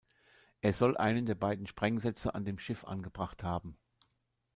Er soll einen der beiden Sprengsätze an dem Schiff angebracht haben.